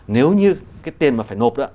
nếu như cái tiền mà phải nộp đó